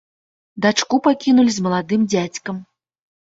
Дачку пакінулі з маладым дзядзькам.